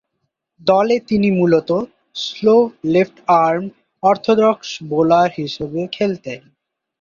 দলে তিনি মূলতঃ স্লো লেফট-আর্ম অর্থোডক্স বোলার হিসেবে খেলতেন।